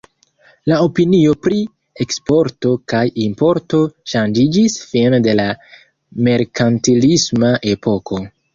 La opinio pri eksporto kaj importo ŝanĝiĝis fine de la merkantilisma epoko.